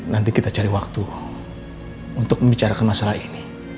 nanti kita cari waktu untuk membicarakan masalah ini